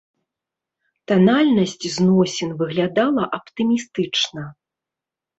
Танальнасць зносін выглядала аптымістычна.